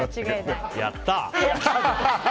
やったー！